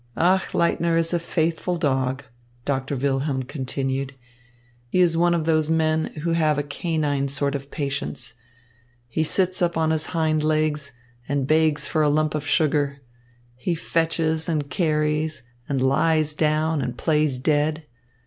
"Achleitner is a faithful dog," Doctor Wilhelm continued. "He is one of those men who have a canine sort of patience. He sits up on his hind legs and begs for a lump of sugar. He fetches and carries and lies down and plays dead.